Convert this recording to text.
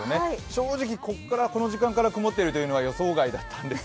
正直、この時間から曇っているというのは予想外です。